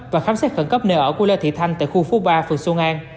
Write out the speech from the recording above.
và khám xét khẩn cấp nơi ở của lê thị thanh tại khu phố ba phường xuân an